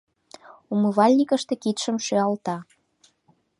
Умывальникыште кидшым шӱалта.